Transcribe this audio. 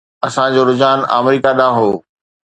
اسان جو رجحان آمريڪا ڏانهن هو.